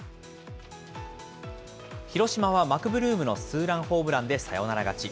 広島はマクブルームのツーランホームランでサヨナラ勝ち。